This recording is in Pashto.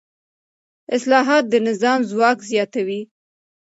اصلاحات د نظام ځواک زیاتوي